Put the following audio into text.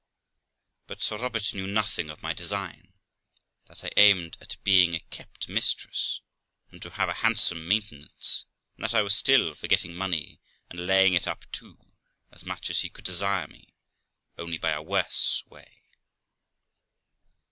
But Sir Robert knew nothing of my design, that I aimed at being a kept mistress, and to have a handsome maintenance; and that I was still for getting money, and laying it up too, as much as he could desire me, only by a worse way.